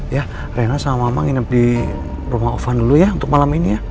ya rena sama mama nginep di rumah ovan dulu ya untuk malam ini ya